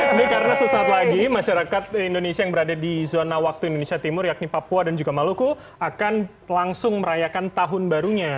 ini karena sesaat lagi masyarakat indonesia yang berada di zona waktu indonesia timur yakni papua dan juga maluku akan langsung merayakan tahun barunya